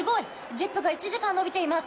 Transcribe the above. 『ＺＩＰ！』が１時間伸びています！